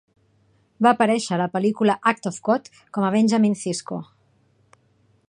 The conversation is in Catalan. Va aparèixer a la pel·lícula "Act of God" com a Benjamin Cisco.